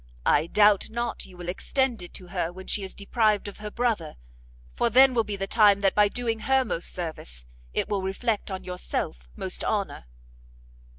I doubt not you will extend it to her when she is deprived of her brother, for then will be the time that by doing her most service, it will reflect on yourself most honour."